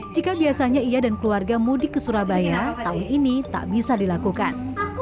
jika biasanya ia dan keluarga mudik ke surabaya tahun ini tak bisa dilakukan